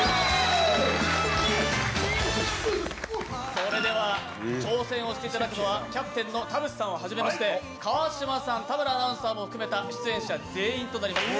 それでは挑戦をしていただくのはキャプテンの田渕さんをはじめとして川島さん田村アナウンサーも含めました出演者全員となります。